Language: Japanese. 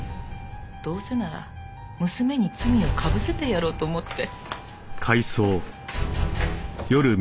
どうせなら娘に罪をかぶせてやろうと思って。